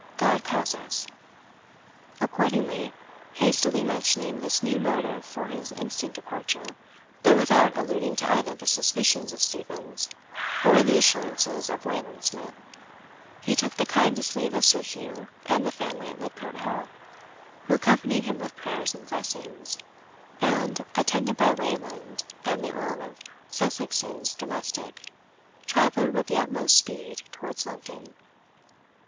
"God calls us." Accordingly, hastily mentioning this new motive for his instant departure, though without alluding to either the suspicions of Stevens, or the assurances of Wayland Smith, he took the kindest leave of Sir Hugh and the family at Lidcote Hall, who accompanied him with prayers and blessings, and, attended by Wayland and the Earl of Sussex's domestic, travelled with the utmost speed towards London.